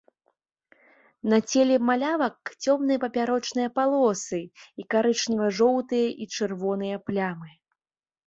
На целе малявак цёмныя папярочныя палосы і карычнева-жоўтыя і чырвоныя плямы.